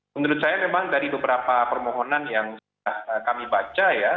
menurut saya memang dari beberapa permohonan yang sudah kami baca ya